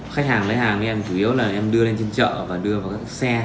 khách hàng lấy hàng với em chủ yếu là em đưa lên trên chợ và đưa vào các xe